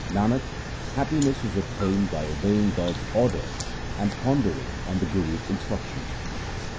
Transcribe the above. Nanak, happiness is obtained by obeying God's order and pondering on the Guru's instruction.